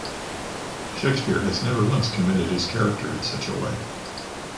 Shakespeare has never once committed his character in such a way.